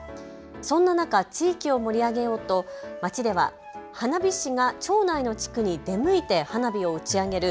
そんな中、地域を盛り上げようと町では花火師が町内の地区に出向いて花火を打ち上げる